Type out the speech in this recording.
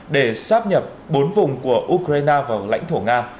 để sắp nhập bốn vùng của ukraine vào lãnh thổ nga